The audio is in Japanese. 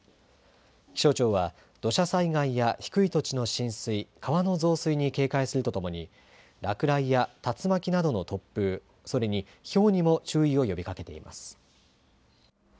気象庁は土砂災害や低い土地の浸水、川の増水に警戒するとともに、落雷や竜巻などの突風、それにひょうにも注意を呼びかけています。